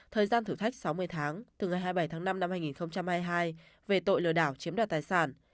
thời gian thử thách sáu mươi tháng từ ngày hai mươi bảy tháng năm năm hai nghìn hai mươi hai về tội lừa đảo chiếm đoạt tài sản